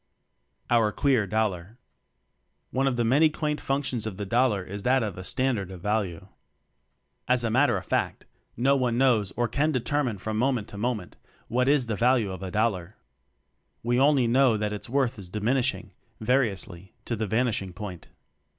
Our Queer Dollar. One of the many quaint functions of the dollar is that of a "standard of value." As a matter of fact, no one knows or can determine from moment to moment, what is the value of a dollar. We only know that its worth is diminishing, vari ously, to the vanishing point.